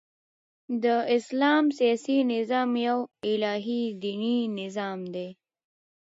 د اسلام سیاسي نظام یو الهي دیني نظام دئ.